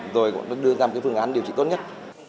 rồi đưa ra một phương án điều trị tốt nhất